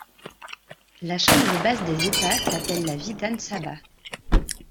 La chambre basse des États s'appelle la Vidhan Sabha.